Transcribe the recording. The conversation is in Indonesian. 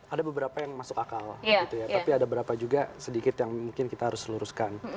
ada beberapa yang masuk akal tapi ada beberapa juga sedikit yang mungkin kita harus luruskan